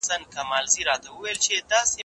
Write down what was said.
زه هره ورځ د لوبو لپاره وخت نيسم؟